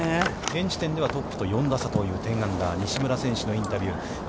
現時点では、トップと４打差という１０アンダー西村選手のインタビュー。